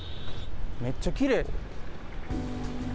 めっちゃきれい。